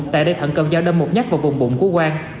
tại đây thận cầm dao đâm một nhát vào vùng bụng của quang